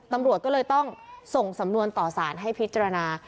ตำรวจก็เลยต้องส่งสำนวนต่อสารให้พิจารณา